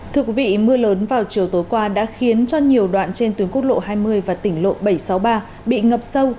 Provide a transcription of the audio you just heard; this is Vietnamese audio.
thưa quý vị mưa lớn vào chiều tối qua đã khiến cho nhiều đoạn trên tuyến quốc lộ hai mươi và tỉnh lộ bảy trăm sáu mươi ba bị ngập sâu